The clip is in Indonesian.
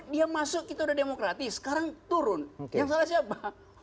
dia masuk kita udah demokratis sekarang turun yang salah siapa